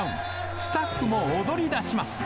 スタッフも踊りだします。